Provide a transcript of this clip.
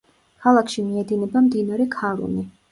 ქალაქში მიედინება მდინარე ქარუნი.